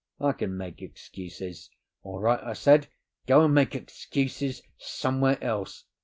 I can make excuses." "All right," I said, "go and make excuses somewhere else.